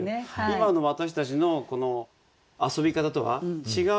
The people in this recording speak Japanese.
今の私たちの遊び方とは違う。